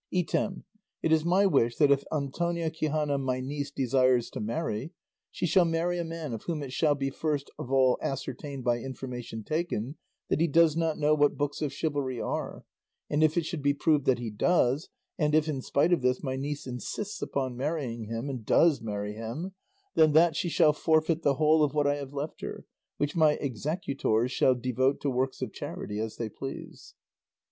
"Item, it is my wish that if Antonia Quixana, my niece, desires to marry, she shall marry a man of whom it shall be first of all ascertained by information taken that he does not know what books of chivalry are; and if it should be proved that he does, and if, in spite of this, my niece insists upon marrying him, and does marry him, then that she shall forfeit the whole of what I have left her, which my executors shall devote to works of charity as they please.